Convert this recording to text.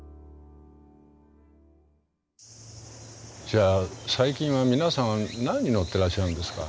じゃあ最近は皆さん何に乗ってらっしゃるんですか？